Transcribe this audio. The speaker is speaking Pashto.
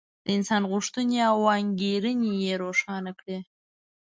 د انسان غوښتنې او انګېرنې یې روښانه کړې.